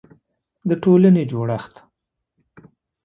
د ټولنې جوړښت